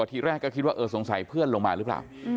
ทีแรกก็คิดว่าเออสงสัยเพื่อนลงมาหรือเปล่า